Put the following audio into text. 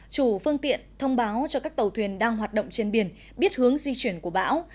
chủ phương tiện thông báo cho các tàu thuyền đang hoạt động trên biển biết hướng di chuyển của bão